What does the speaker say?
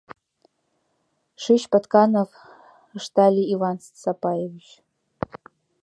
— Шич, Патканов, — ыштале Иван Сапаевич.